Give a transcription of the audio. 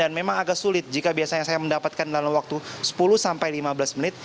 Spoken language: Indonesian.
dan memang agak sulit jika biasanya saya mendapatkan dalam waktu sepuluh sampai lima belas menit